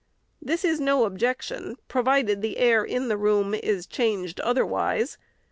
This is no objection, provided the air in the room is changed otherwise.